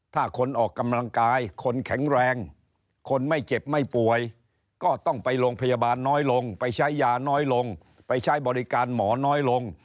ถ้าคนออกกำลังกายคนแข็งแรงคนไม่เจ็บไม่ป่วยก็ต้องไปโรงพยาบาลน้อยลงไปใช้ยาน้อยลงไปใช้บริการหมอน้อยลง